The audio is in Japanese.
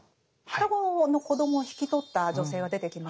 双子の子供を引き取った女性が出てきましたよね。